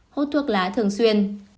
hốt thuốc lá thường xuyên